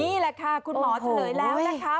นี่แหละค่ะคุณหมอเฉลยแล้วนะคะ